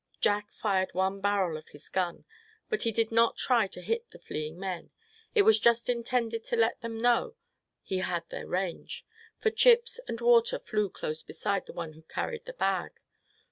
Jack fired one barrel of his gun, but he did not try to hit the fleeing men. It was just intended to let them know he had their range, for chips and water flew close beside the one who carried the bag.